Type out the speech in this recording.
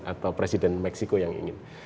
atau presiden meksiko yang ingin